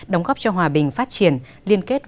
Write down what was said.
đóng góp cho hòa bình phát triển liên kết